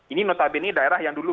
ini notabene daerah yang dulu